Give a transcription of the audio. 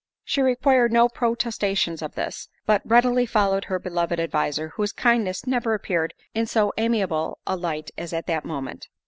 She required no protestations of this, but readily followed her beloved adviser, whose kindness never appeared in so amiable a light as at that moment.